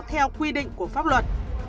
theo quy định của pháp luật